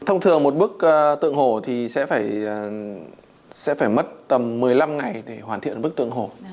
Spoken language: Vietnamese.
thông thường một bức tượng hổ thì sẽ phải mất tầm một mươi năm ngày để hoàn thiện một bức tượng hổ